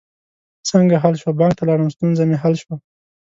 څنګه حل شوه؟ بانک ته لاړم، ستونزه می حل شوه